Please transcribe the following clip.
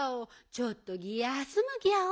ちょっとギャすむギャオ。